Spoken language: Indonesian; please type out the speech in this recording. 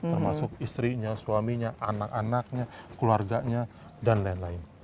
termasuk istrinya suaminya anak anaknya keluarganya dan lain lain